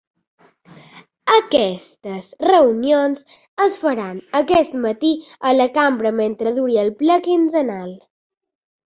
Aquestes reunions es faran aquest matí a la cambra mentre duri el ple quinzenal.